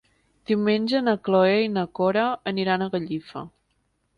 Diumenge na Cloè i na Cora aniran a Gallifa.